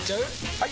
・はい！